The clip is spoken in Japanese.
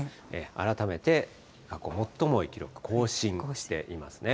改めて最も多い記録、更新していますね。